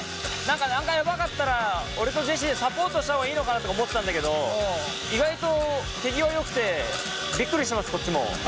何かヤバかったら俺とジェシーでサポートした方がいいのかなとか思ってたんだけど意外と手際よくてびっくりしてますこっちも。